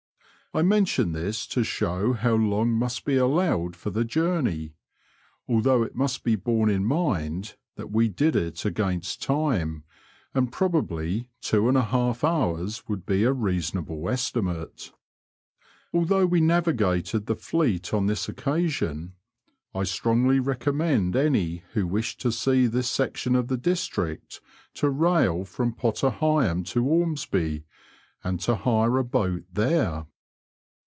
I mention this ta show how long must be allowed for the journey ; although it must be borne in mind that we did it against time, and probably two and a half hours would be a reasonable estimate. Although we navigated the Fleet on this occasion, I strongly Digitized by VjOOQIC UP THE MUCK FLEET TO PILBY, BOLLESBY, AND OEMESBY. 141 recommend any who wish to see this section of the district to rail from Potter Heigham to Ormesby, and to hire a boat there.